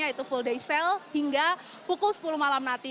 yaitu full day sale hingga pukul sepuluh malam nanti